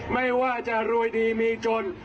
ไม่ว่าจะรวยดีมีจน